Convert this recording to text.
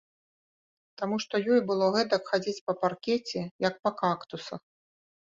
Таму што ёй было гэтак хадзіць па паркеце, як па кактусах.